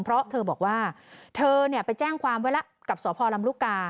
เพราะเธอบอกว่าเธอไปแจ้งความไว้แล้วกับสพลำลูกกา